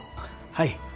はい。